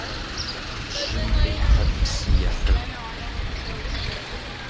Жьым къихьыр псым ехьыж.